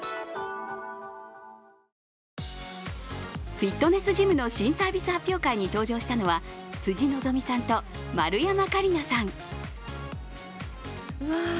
フィットネスジムの新サービス発表会に登場したのは辻希美さんと丸山桂里奈さん。